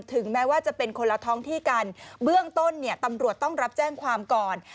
แม้ว่าจะเป็นคนละท้องที่กันเบื้องต้นเนี่ยตำรวจต้องรับแจ้งความก่อน